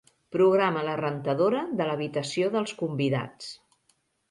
Programa la rentadora de l'habitació dels convidats.